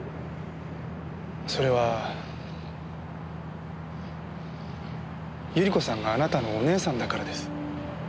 それは百合子さんがあなたのお姉さんだからです。